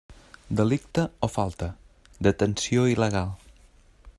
Delicte o falta: detenció il·legal.